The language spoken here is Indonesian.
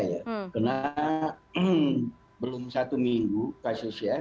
karena belum satu minggu kasusnya